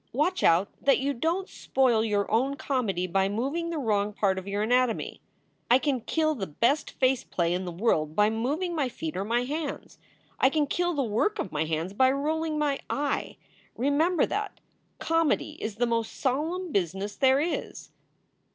Watch out that you don t spoil your own comedy by moving the wrong part of your anatomy. I can kill the best face play in the world by moving my feet or my hands. I can kill the work of my hands by rolling my eye. Remember that! Comedy is the most solemn business there is."